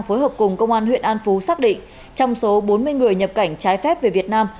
phối hợp cùng công an huyện an phú xác định trong số bốn mươi người nhập cảnh trái phép về việt nam